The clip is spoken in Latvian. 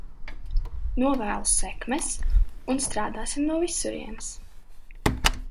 Novēlu sekmes, un strādāsim no visurienes!